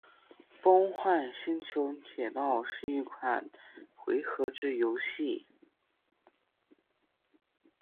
《崩坏：星穹铁道》是一款回合制游戏。